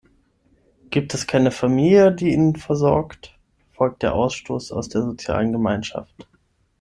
Gibt es keine Familie, die ihn versorgt, folgt der Ausstoß aus der sozialen Gemeinschaft.